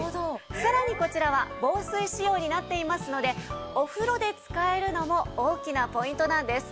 さらにこちらは防水仕様になっていますのでお風呂で使えるのも大きなポイントなんです。